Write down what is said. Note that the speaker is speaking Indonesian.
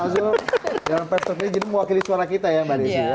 mas arief zulkifli dewan pers terpilih jadi mewakili suara kita ya mbak desi